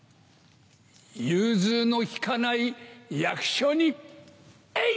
融通の利かない役所にエイ！